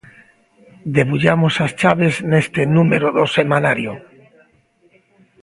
Debullamos as chaves neste número do semanario.